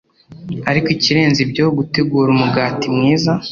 Ariko ikirenze ibyo, gutegura umugati mwiza